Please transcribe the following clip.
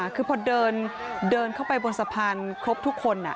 คือพอเดินเข้าไปบนสะพานครบทุกคน